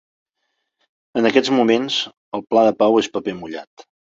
En aquests moments, el pla de pau és paper mullat.